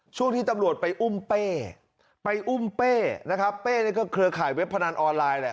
ช่วงที่ตำรวจไปอุ้มเป๊ะเป๊ะก็เครือข่ายเว็บพนันออนไลน์